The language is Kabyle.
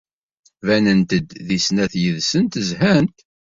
Banent-d deg snat yid-sent zhant.